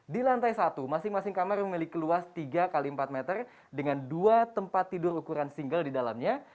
di lantai satu masing masing kamar memiliki luas tiga x empat meter dengan dua tempat tidur ukuran single di dalamnya